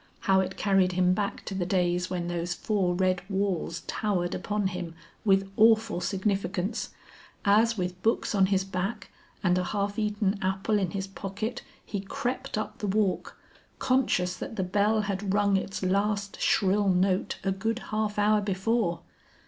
How it carried him back to the days when those four red walls towered upon him with awful significance, as with books on his back and a half eaten apple in his pocket he crept up the walk, conscious that the bell had rung its last shrill note a good half hour before.